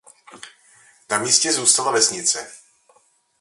Na místě zůstala vesnice.